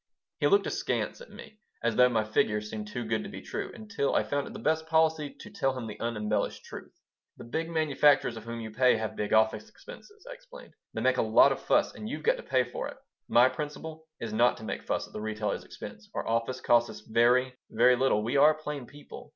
He looked askance at me, as though my figures seemed too good to be true, until I found it the best policy to tell him the unembellished truth. "The big manufacturers of whom you buy have big office expenses," I explained. "They make a lot of fuss, and you've got to pay for it. My principle is not to make fuss at the retailer's expense. Our office costs us very, very little. We are plain people.